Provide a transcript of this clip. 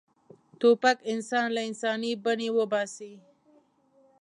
توپک انسان له انساني بڼې وباسي.